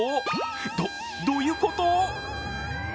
ど、どういうこと？